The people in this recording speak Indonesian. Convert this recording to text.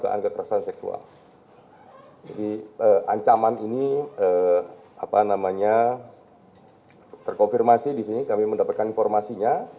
anggota transseksual di ancaman ini eh apa namanya terkonfirmasi disini kami mendapatkan informasinya